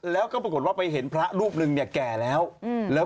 แล้วก็ปรากฏว่าไปเห็นพระรูปหนึ่งเนี่ยแก่แล้วแล้ว